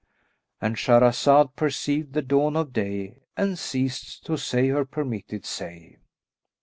"—And Shahrazad perceived the dawn of day and ceased to say her permitted say.